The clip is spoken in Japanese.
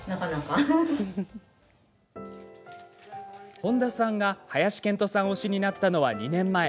本多さんが、林遣都さん推しになったのは２年前。